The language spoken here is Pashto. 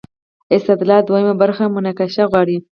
استدلال دویمه برخه مناقشه غواړي.